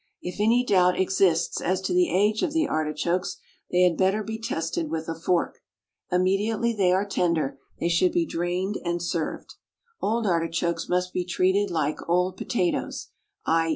If any doubt exists as to the age of the artichokes, they had better be tested with a fork. Immediately they are tender they should be drained and served. Old artichokes must be treated like old potatoes, _i.